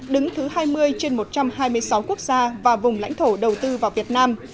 đứng thứ hai mươi trên một trăm hai mươi sáu quốc gia và vùng lãnh thổ đầu tư vào việt nam